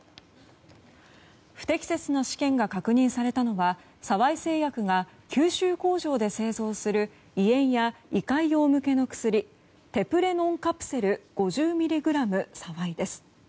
不適切な試験が確認されたのは沢井製薬が九州工場で製造する胃炎や胃潰瘍向けの薬テプレノンカプセル５０ｍｇサワイです。